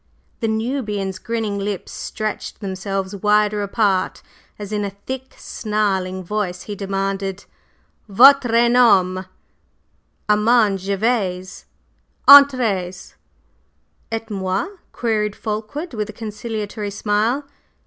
The Nubian's grinning lips stretched themselves wider apart as, in a thick, snarling voice he demanded: "Votre nom?" "Armand Gervase." "Entrez!" "Et moi?" queried Fulkeward, with a conciliatory smile.